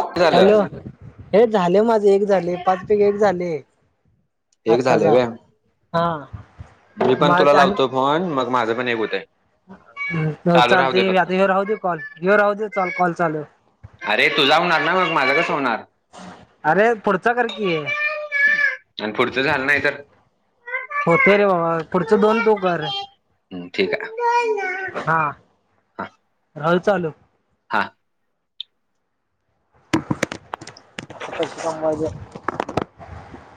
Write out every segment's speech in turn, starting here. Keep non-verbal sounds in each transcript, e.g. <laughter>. झालं हॅलो हे झाले माझे एक झाले पाच पैकी एक झाले. एक आता झालंय जा व्हय हा मी पण तुला लावतो फोन मग माझं पण एक होत आहे ह हो चालते आता येऊ राहू दे कॉल येऊ राहू दे चाल कॉल चालू माझ्या का स होणार अरे पुढचा करकीी आहे आणि पुढचं झालं नाही तर. होते रे बाबा पुढचं दोन तू कर हम ठीक आहे हा हा राह चालू हा अस कैसे कमवायज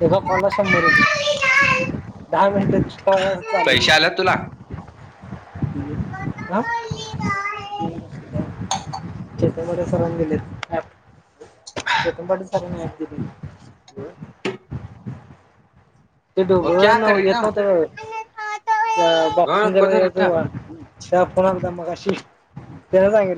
एका कॉलला शंभर रुपये दहा मिनटया चालू पैसे आल्यात तुला ह बर सर दिेले <unintelligible> जेपून पाट सर नाही ब ते वो क्या कर ढोबळ रही ना येत नव्हत हा बॉक्सिंग क किधर येत इटा ते्हा फोन आला मग अशी त्यांला सांग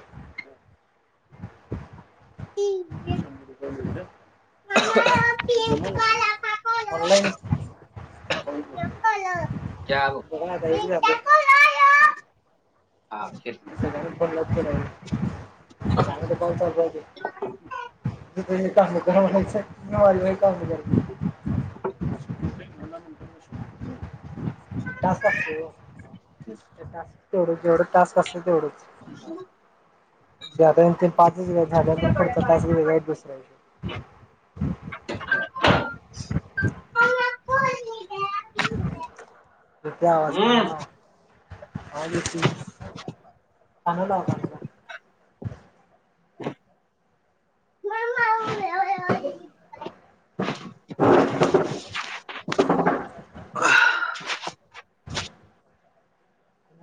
<unintelligible> <inaudible> <inaudible> <unintelligible> ऑनलाईन क्या अब हाँ फिर सगळ्यांना फोन लावत फिरायच आणि कॉल करायचा. ह अस तुला म्हणायचं ऑनलाईन काम करायचं. <unintelligible> टास्क असत ओ ते टास्क जेवढ असत तेवढचं पाच पुढचा झाल्यानंतर <unintelligible> येतोय आवाज कानाला हम्म लावा. ह कानाला लावा कानाला. म म <inaudible>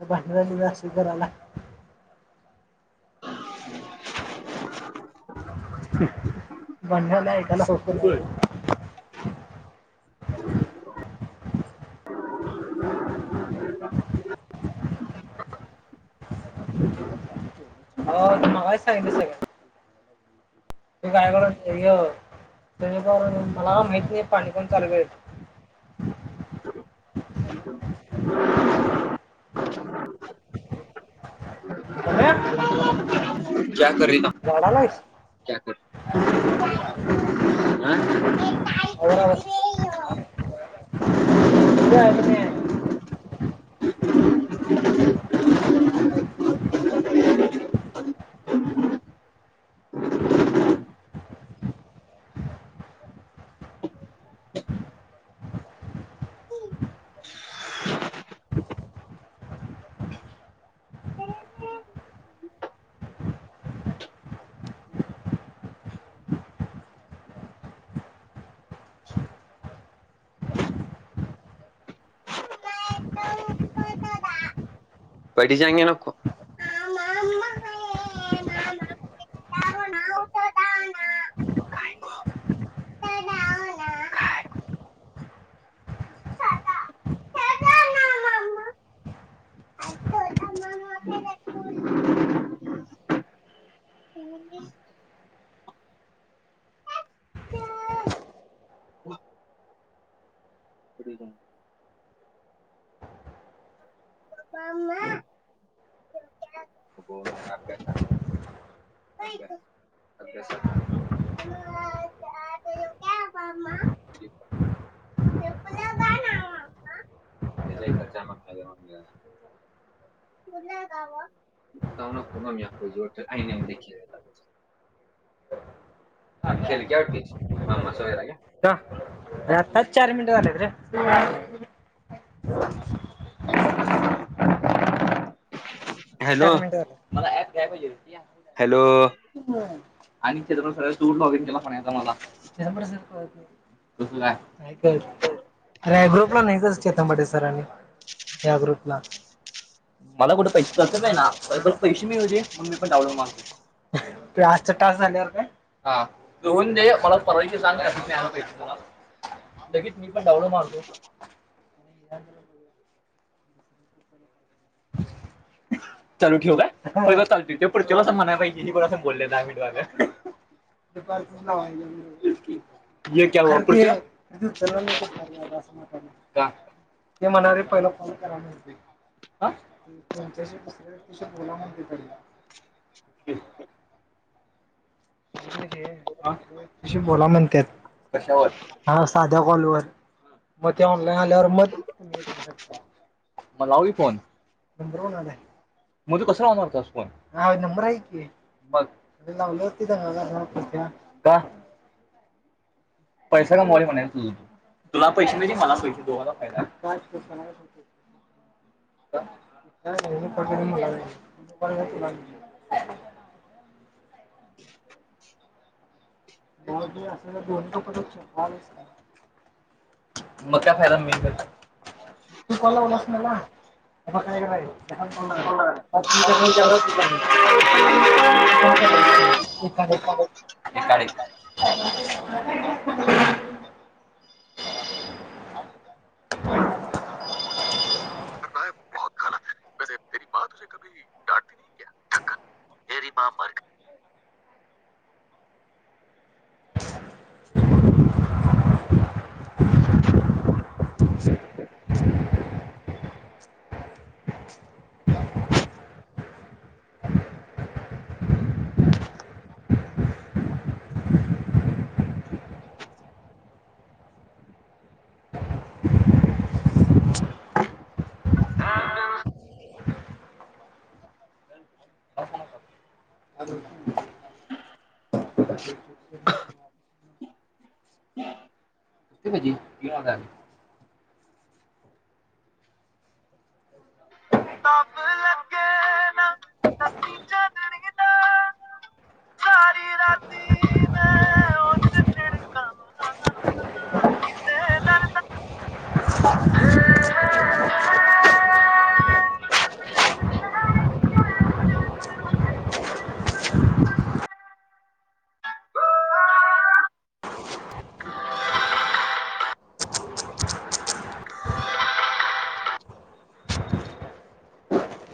भांडण झाली की अस कराय लागती या. <unintelligible> बंड नाईकला फोन करतोय. हो तू मगाशी सांगितलं सगळं मला काय माहिती नाही? पाणी पण चालू केलय. <unintelligible> <inaudible> सम्या च्या करीना झाडालायस च्या कर आई करती. ह आवर आवर. पार्टी चाहिए ना आपको ना का ना गो? पुढे <inaudible> जाऊन हो मेरा अभ्यास अभ्यास अभ्यासात या जोर सेआईने देखीए गा. आणि खेल कवटतीच मामा सगैरा क ह चार मिनट झालेत रे हॅलो चार मिनिट झा मला कायहिल हॅलो <unintelligible> आणि छ्रप्र स दूर लॉगिंग केला पणा यचा मला तस काय अे ग्रुपला नाहीच चेतानबाट सर याग्रूटला मला कड पहि तसं का ना पैसे मिळ होते मग मी पण डावड मारतो त आजचा तास झाल्यावर का हा दन दे मला परवाश सांग आला पै तला लगेच मी पण डावड मारतो चालू ठेव चालत ते प तुला असं म्हणायला पाहिजे प अस बोलले आ ते म्हणा पहि फ करा ह त्यांच्याशी दुसऱ्या व्यक्तीशी बोला म्हणते त्यांना हे तशी बोला म्हणते कशावर हा साध्या कॉलवर मग ते ऑनलाईन आल्यावर मग तुम्ही हे करू शकता म लावली फोन नंबरनला मध्ये कस लावणार फोन नंबर आहे की म लावल पैसा कामला म्हणा तु तुला पैसे नाही मला पैसे दोघला फायदा तु अस दोन मग काय फायदा मि तू कोला लास मला काय काय पाचमीिक प्रस्तता निची ए एका <unintelligible> <unintelligible> कर रहा है वो बहुत गलत है वैसे तेरी माँ तुझे कभी डांटती नहीं क्या धक्का मेरी माँ मर गई हम नते पाहिजे किन तब लगे ना लती चढ़नी ना सारी राती मैं <unintelligible> उस झिड़का कितने दर्द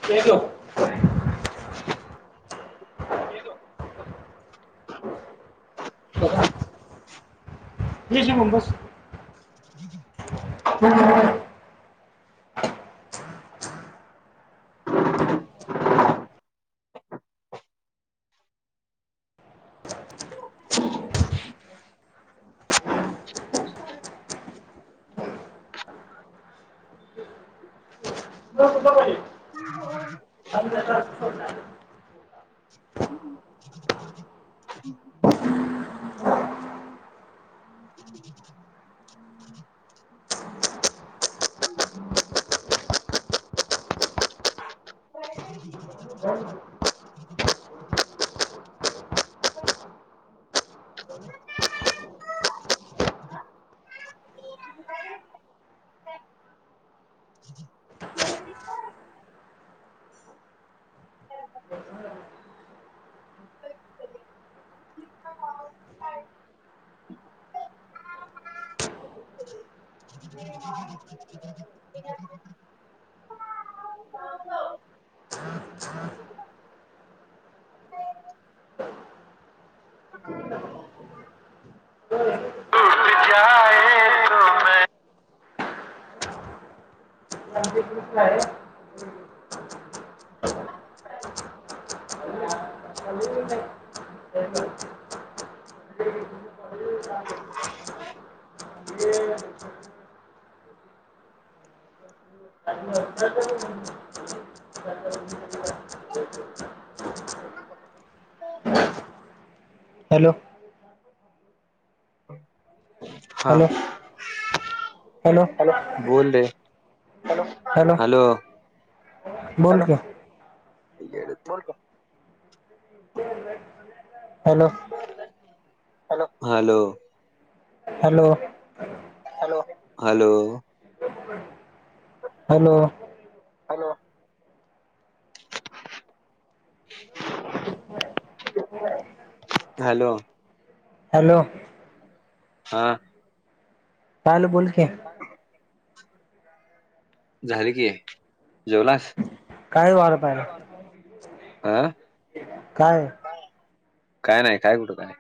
तेको जश मग बस ब ध पाहिजे <unintelligible> मेरे लिए चात चात <unintelligible> ह <unintelligible> हो नज क आहे हॅलो हा हॅलो हॅलो बोल दे हॅलो बोल क येड तर का hello hello hello hello hello hello hello hello hello हम चाल बोल की <inaudible> झाले की जेवलास? काय वार पाहिला हा काय काय नाही काय कुठं काय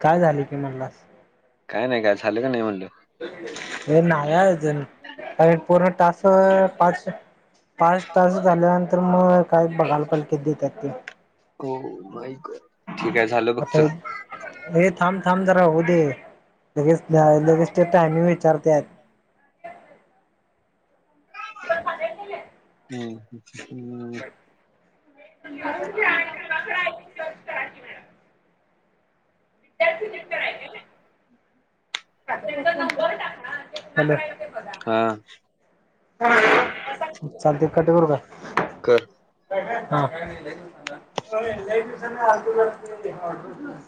काय झाले की म्हणलास काय नाही काय झालं का नाही म्हणलं हे नाही अजून कार पूर्ण टास्क स पाचशे पाच तास झाल्यानंतर मग काय बघालपालकेत देतात ते हो बाईक आता हे थांब थांब जरा होऊ दे लगेच लगेच ते टायमिंग विचारत्यात हम् हम् <inaudible> नंबर टाक हॅलो हा चालतय कट करु काय? कर काय काय, काय नाही लई दिवसाने आला, होय लई दिवसाने <inaudible>